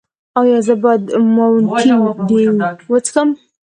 ایا زه باید ماونټین ډیو وڅښم؟